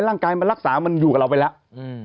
ร่างกายมันรักษามันอยู่กับเราไปแล้ว